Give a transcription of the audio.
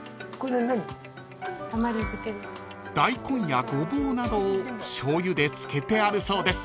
［大根やゴボウなどをしょうゆで漬けてあるそうです］